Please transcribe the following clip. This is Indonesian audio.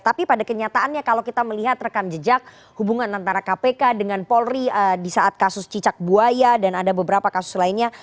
tapi pada kenyataannya kalau kita melihat rekam jejak hubungan antara kpk dengan polri di saat kasus cicak buaya dan ada beberapa kasus lainnya